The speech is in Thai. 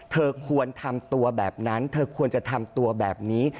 เธอควรทำตัวแบบนั้นเธอควรจะทำตัวแบบนี้